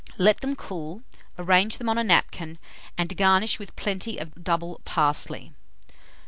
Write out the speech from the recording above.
Let them cool, arrange them on a napkin, and garnish with plenty of double parsley.